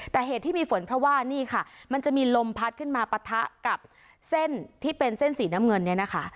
แต่เหตุที่มีฝนเพราะว่านี่ค่ะมันจะมีลมพัดขึ้นมาปะทะกับเส้นที่เป็นเส้นสีน้ำเงินเนี่ยนะคะ